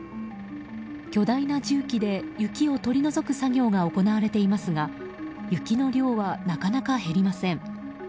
巨大な重機で雪を取り除く作業が行われていますが雪の量はなかなか減りません。